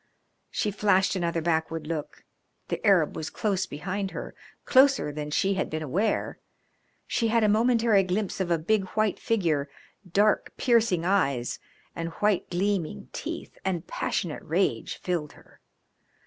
She flashed another backward look. The Arab was close behind her closer than she had been aware. She had a momentary glimpse of a big white figure, dark piercing eyes, and white gleaming teeth, and passionate rage filled her.